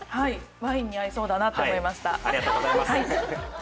ワインに合いそうだなと思いました。